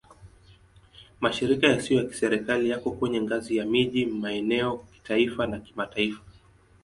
Mashirika yasiyo ya Kiserikali yako kwenye ngazi ya miji, maeneo, kitaifa na kimataifa.